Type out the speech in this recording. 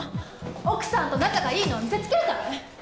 奥さんと仲がいいのを見せつけるため？